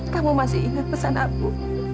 kamu masih ingat pesan aku